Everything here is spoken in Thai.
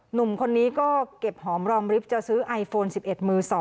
หนุ่มคนนี้ก็เก็บหอมรอมริฟทจะซื้อไอโฟน๑๑มือ๒